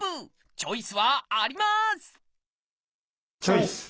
チョイス！